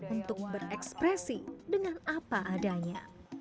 untuk berekspresi dengan apa adanya